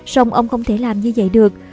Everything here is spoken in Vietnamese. xong ông không thể làm như vậy được